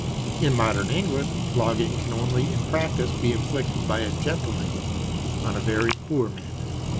In modern England flogging can only in practice be inflicted by a gentleman on a very poor man.